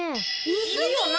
いるよな？